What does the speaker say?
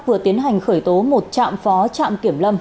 vừa tiến hành khởi tố một trạm phó trạm kiểm lâm